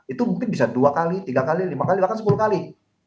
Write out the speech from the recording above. itu mungkin bisa dua kali tiga kali lima kali bahkan sepuluh kali